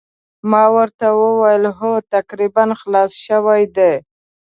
ما ورته وویل هو تقریباً خلاص شوي دي.